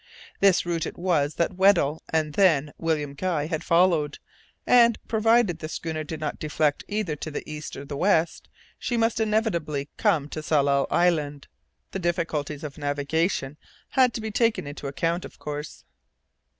This route it was that Weddell and then William Guy had followed, and, provided the schooner did not deflect either to the east or the west, she must inevitably come to Tsalal Island. The difficulties of navigation had to be taken into account, of course.